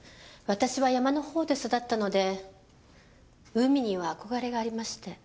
私は山のほうで育ったので海には憧れがありまして。